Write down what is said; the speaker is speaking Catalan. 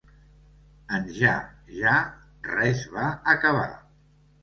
En ja, ja, res va acabar.